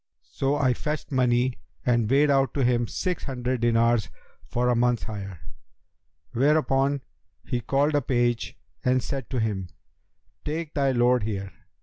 So I fetched money and weighed out to him six hundred dinars for a month's hire, whereupon he called a page and said to him, 'Take thy lord here.'